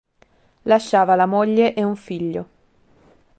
Lasciava la moglie e un figlio.